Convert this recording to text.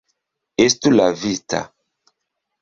Estu lavita.